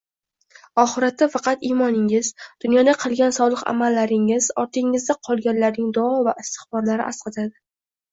Oxiratda faqat imoningiz, dunyoda qilgan solih amallaringiz, ortingizda qolganlarning duo va istig‘forlari asqatadi.